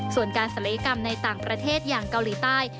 ส่วนการศัลยกรรมในต่างประเทศอย่างเกาหลีใต้